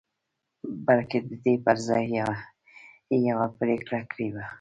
بلکې د دې پر ځای يې يوه پرېکړه کړې وه.